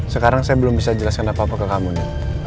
sekarang saya belum bisa jelaskan apa apa ke kamu nih